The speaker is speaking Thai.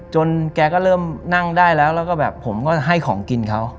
แกก็เริ่มนั่งได้แล้วแล้วก็แบบผมก็ให้ของกินเขา